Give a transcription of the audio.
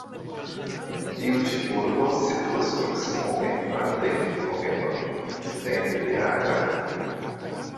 Tiu ĉi urbo situas proksimume kvardek kilometrojn okcidente de Agra.